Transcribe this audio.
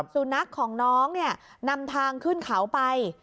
สุนัขของน้องนำทางขึ้นเขาไป